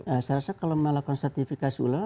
saya rasa kalau melakukan sertifikasi ulama